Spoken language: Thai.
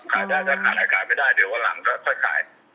ขายได้จะขายหลายขายไม่ได้เดี๋ยวว่าหลังก็ค่อยขายอ๋อ